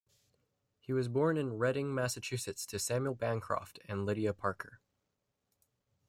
He was born in Reading, Massachusetts to Samuel Bancroft and Lydia Parker.